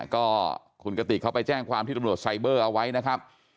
ก็คุณกติกเขาไปแจ้งความที่ตำรวจไซเบอร์เอาไว้นะครับ